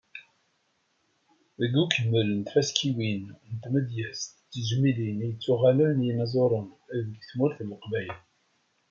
Deg ukemmel n tfaskiwin n tmedyazt d tejmilin i yettuɣalen i yinaẓuren deg tmurt n Leqbayel.